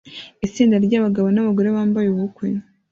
Itsinda ryabagabo nabagore bambaye ubukwe